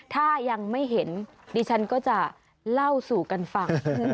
ถ้ายังไม่เห็นดิฉันก็จะเล่าสู่กันฟัง